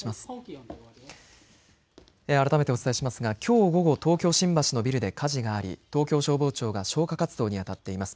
改めてお伝えしますがきょう午後、東京新橋のビルで火事があり東京消防庁が消火活動にあたっています。